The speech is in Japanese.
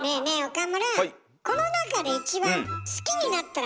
岡村。